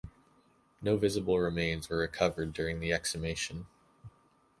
No visible remains were recovered during the exhumation.